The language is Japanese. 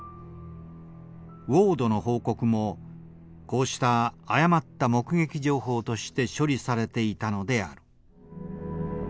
ウォードの報告もこうした誤った目撃情報として処理されていたのである。